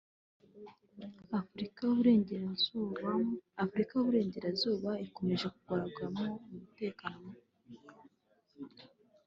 Afurika y’Uburengerazuba ikomeje kurangwamo umutekano muke